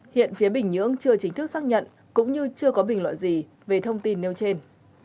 hiện phía bình nhưỡng chưa chính thức xác nhận cũng như chưa có bình luận gì về thông tin nêu trên